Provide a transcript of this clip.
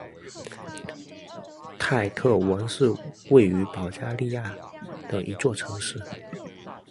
泰特文是位于保加利亚的一座城市。